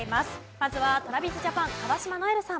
まずはＴｒａｖｉｓＪａｐａｎ川島如恵留さん。